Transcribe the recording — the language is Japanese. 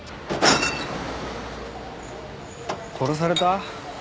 殺された？